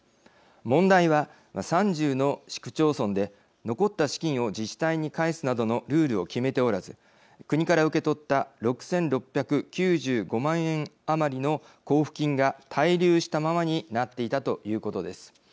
問題は、３０の市区町村で残った資金を自治体に返すなどのルールを決めておらず国から受け取った６６９５万円分余りの交付金が滞留したままになっていたということです。